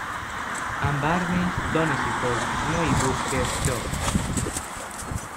Amb armes, dones i foc, no hi busquis joc.